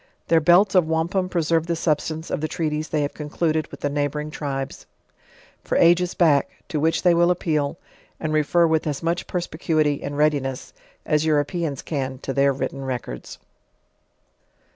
Their belts of wampum preserve the substance of the treaties they have concluded with the neighboring tribes; for ages back, to which they will appeal, and refer with as much perspicuity, and readiness, as Europeans can to their written records.